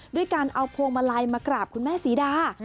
ด้วยการเอาพวงมาลัยมากราบคุณแม่ศรีดา